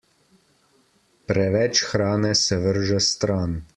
Preveč hrane se vrže stran.